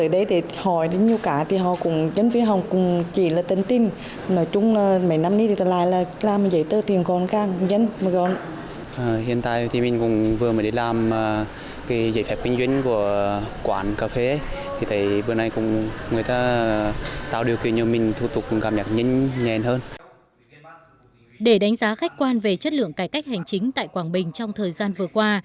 để đánh giá khách quan về chất lượng cải cách hành chính tại quảng bình trong thời gian vừa qua